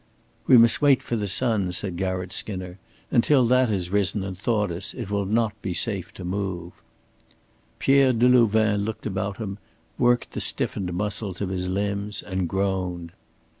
"We must wait for the sun," said Garratt Skinner. "Until that has risen and thawed us it will not be safe to move." Pierre Delouvain looked about him, worked the stiffened muscles of his limbs and groaned.